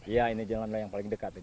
iya ini jalan yang paling dekat